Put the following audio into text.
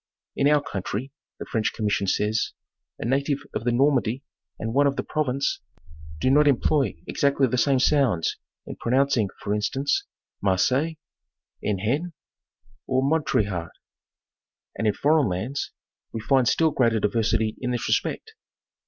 'In our coun try," the French commission says, "a native of the Normandy and one of the Provence do not employ exactly the same sounds in pronouncing, for instance, Marseille, Enghien, or Montrichard, and, in foreign lands, we find still greater diversity in this respect."